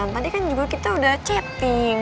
tadi kan juga kita udah chatting